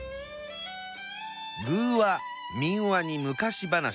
寓話民話に昔話。